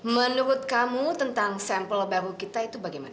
menurut kamu tentang sampel baru kita itu bagaimana